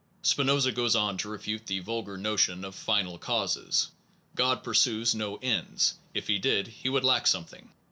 Spinoza goes on to refute the vulgar notion of final causes. God pursues no ends if he did he would lack something.